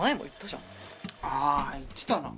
あ言ってたな。